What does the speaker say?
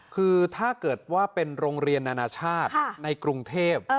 คือถ้าเกิดว่าเป็นโรงเรียนนานาชาติในกรุงเทพ